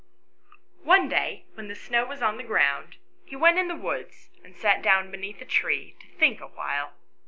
One day, when the snow was on the ground, he went into the woods, and sat down beneath a tree, to think a while.